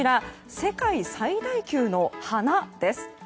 世界最大級の花です。